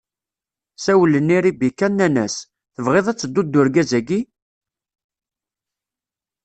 Sawlen i Ribika, nnan-as: Tebɣiḍ ad tedduḍ d urgaz-agi?